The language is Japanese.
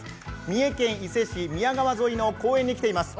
三重県伊勢市宮川沿いの公園に来ています。